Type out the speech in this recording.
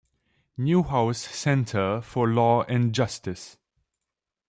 Newhouse Center for Law and Justice.